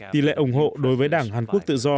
tỷ lệ ủng hộ đối với đảng hàn quốc tự do